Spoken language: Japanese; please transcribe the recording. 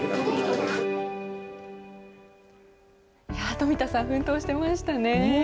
富田さん、奮闘してましたね。